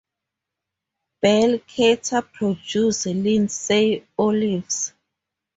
Bell Carter produces Lindsay Olives.